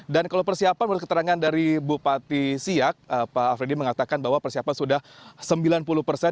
dan kalau persiapan menurut keterangan dari bupati siak pak afridi mengatakan bahwa persiapan sudah sembilan puluh persen